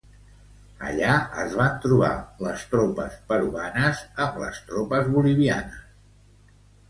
Allà es van trobar les tropes peruanes amb les tropes bolivianes.